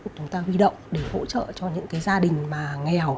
của chúng ta huy động để hỗ trợ cho những cái gia đình mà nghèo